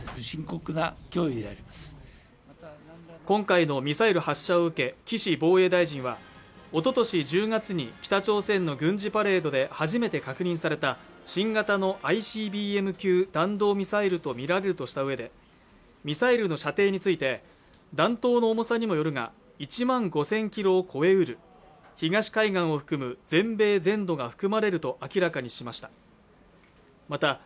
今回のミサイル発射を受け岸防衛大臣はおととし１０月に北朝鮮の軍事パレードで初めて確認された新型のＩＣＢＭ級弾道ミサイルとみられるとしたうえでミサイルの射程について弾頭の重さにもよるが１万５０００キロを超えうる東海岸を含む全米全土が含まれると明らかにしました